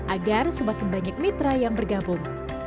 agar semakin banyak mitra yang bergabung